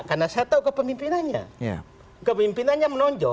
karena saya tahu kepemimpinannya